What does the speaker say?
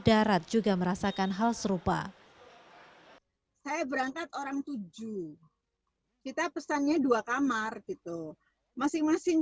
darat juga merasakan hal serupa saya berangkat orang tujuh kita pesannya dua kamar gitu masing masing